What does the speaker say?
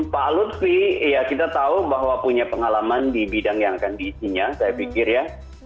pak lutfi ya kita tahu bahwa punya pengalaman di bidang yang akan diisinya saya pikir ya